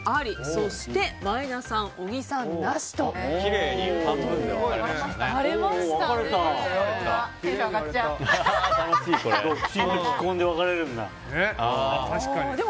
そして、前田さん、小木さんなしということで。